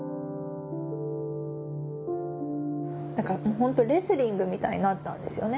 ホントレスリングみたいになったんですよね。